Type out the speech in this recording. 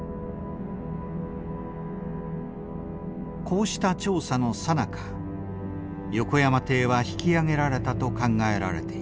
こうした調査のさなか横山艇は引き揚げられたと考えられている。